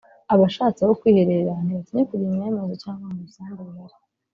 Abashatse aho kwiherera ntibatinya kujya inyuma y’amazu cyangwa mu bisambu bihari